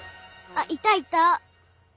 あっいたいた！